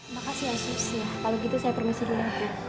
makasih asus ya kalau gitu saya permisi dulu